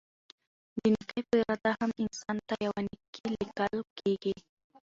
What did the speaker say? د نيکي په اراده هم؛ انسان ته يوه نيکي ليکل کيږي